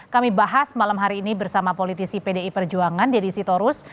kami bahas malam hari ini bersama politisi pdi perjuangan deddy sitorus